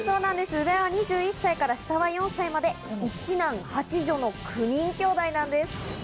上は２１歳から下は４歳まで、１男８女の９人きょうだいなんです。